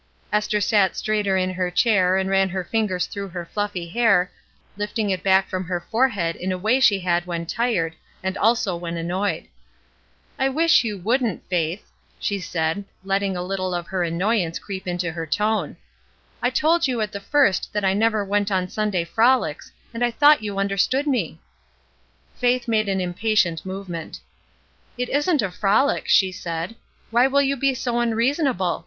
Esther sat straighter in her chair and ran her fingers through her fluffy hair, lifting it back from her forehead in a way she had when tired, and also when annoyed. '*I wish you wouldn't, Faith," she said, letting a httle of her annoyance creep into her tone. '' I told you at the first that I never went on Sun day frolics, and I thought you understood me." Faith made an impatient movement. "It isn't a frolic," she said. ''Why will you be so imreasonable